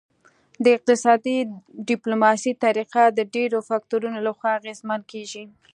د اقتصادي ډیپلوماسي طریقه د ډیرو فکتورونو لخوا اغیزمن کیږي